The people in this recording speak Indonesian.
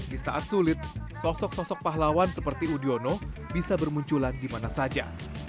di saat sulit sosok sosok pahlawan seperti udiono bisa bermunculan di mana saja